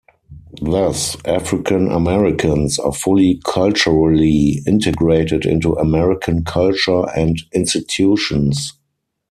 Thus African-Americans are fully culturally integrated into American culture and institutions.